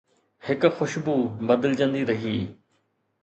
هڪ خوشبو بدلجندي رهي